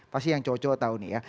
pasti yang cocok tahu nih ya